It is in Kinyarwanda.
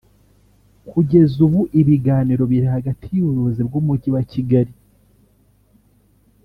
Kugeza ubu ibiganiro biri hagati y’ubuyobozi bw’umujyi wa Kigali